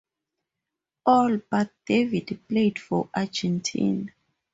All but David played for Argentina.